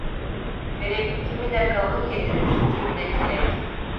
Felek, kimine kavun yedirir kimine kelek.